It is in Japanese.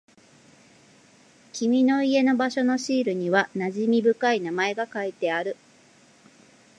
君の家の場所のシールには馴染み深い名前が書いてある。